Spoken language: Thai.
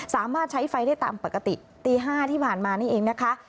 สามารถใช้ไฟได้ตามปกติตี๕ที่ผ่านมานี่เองนะคะ